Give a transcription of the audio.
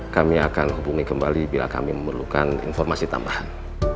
kami akan hubungi kembali bila kami memerlukan informasi tambahan